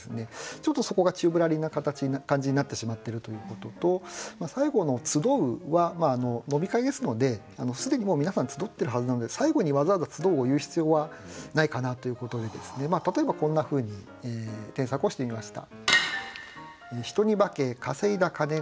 ちょっとそこが宙ぶらりんな感じになってしまっているということと最後の「集う」は飲み会ですので既にもう皆さん集ってるはずなので最後にわざわざ「集う」を言う必要はないかなということで例えばこんなふうに添削をしてみました。